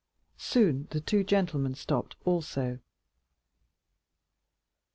Soon the two gentlemen stopped also.